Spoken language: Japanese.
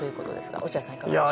落合さん、いかがですか？